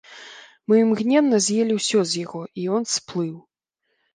Мы імгненна з'елі ўсё з яго, і ён сплыў.